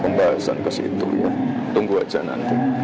belum ada pembahasan ke situ ya tunggu saja nanti